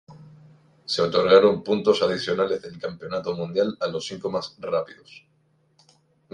Se otorgaron puntos adicionales del Campeonato Mundial a los cinco más rápidos.